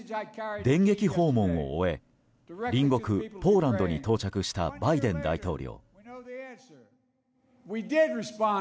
電撃訪問を終え隣国ポーランドに到着したバイデン大統領。